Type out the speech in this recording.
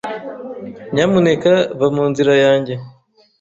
Nyamuneka va mu nzira yanjye.